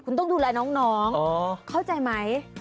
คุณต้องดูแลน้องเข้าใจไหม